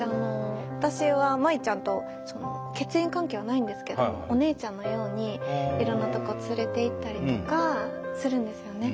私は舞ちゃんと血縁関係はないんですけどお姉ちゃんのようにいろんなとこ連れていったりとかするんですよね。